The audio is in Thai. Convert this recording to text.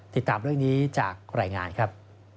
ติดตามเรื่องนี้จากรายงานครับ